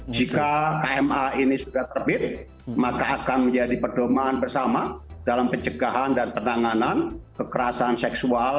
jika kma ini sudah terbit maka akan menjadi perdomaan bersama dalam pencegahan dan penanganan kekerasan seksual